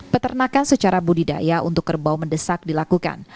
peternakan secara budidaya untuk kerbau mendesak dilakukan